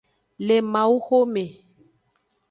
Le mawu xome.